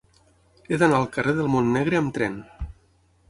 He d'anar al carrer del Montnegre amb tren.